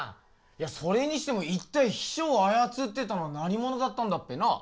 それにしても一体秘書をあやつってたのは何者だったんだっぺな？